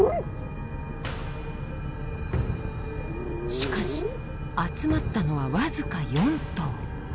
しかし集まったのはわずか４頭。